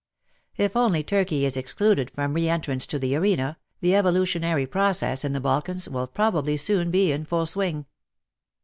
If only Turkey is excluded from re entrance to the arena, the evolutionary process in the Balkans will probably soon be in full swing.